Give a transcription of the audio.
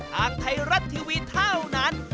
ทางไทยรัฐทีวีเท่านั้น